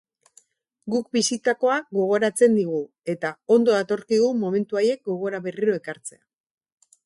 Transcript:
Guk bizitakoa gogoratzen digu eta ondo datorkigu momentu haiek gogora berriro ekartzea.